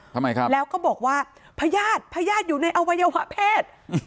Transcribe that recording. ทำไมครับแล้วก็บอกว่าพญาติพญาติอยู่ในอวัยวะเพศ